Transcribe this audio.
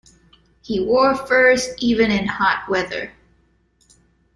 He wore furs even in hot weather.